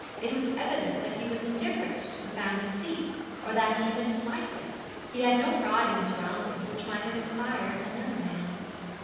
It was evident that he was indifferent to the family seat, or that he even disliked it. He had no pride in surroundings which might have inspired another man.